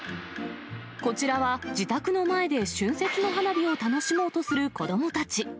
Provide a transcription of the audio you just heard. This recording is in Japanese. こちらは、自宅の前で春節の花火を楽しもうとする子どもたち。